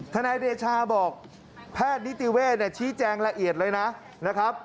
นายเดชาบอกแพทย์นิติเวศชี้แจงละเอียดเลยนะครับ